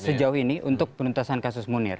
sejauh ini untuk penuntasan kasus munir